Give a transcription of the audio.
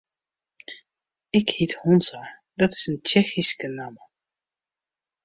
Ik hyt Honza, dat is in Tsjechyske namme.